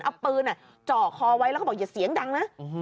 เอาปืนจ่อคอไว้แล้วก็บอกอย่าเสียงดังนะ